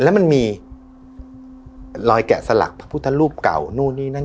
แล้วมันมีรอยแกะสลักพระพุทธรูปเก่านู่นนี่นั่น